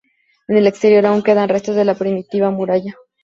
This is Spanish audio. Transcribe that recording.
En el exterior aun quedan restos de la primitiva muralla.